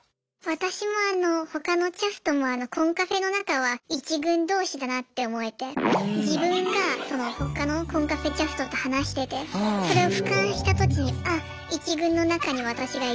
私もあの他のキャストもコンカフェの中は１軍どうしだなって思えて自分が他のコンカフェキャストと話しててそれをふかんした時にああ１軍の中に私がいるって思えて。